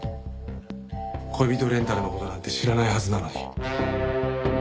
恋人レンタルの事なんて知らないはずなのに。